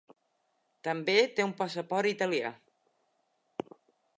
També té un passaport italià.